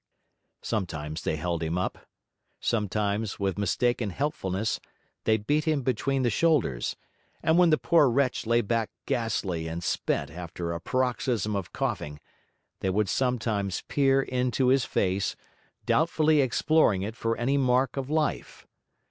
Sometimes they held him up; sometimes, with mistaken helpfulness, they beat him between the shoulders; and when the poor wretch lay back ghastly and spent after a paroxysm of coughing, they would sometimes peer into his face, doubtfully exploring it for any mark of life.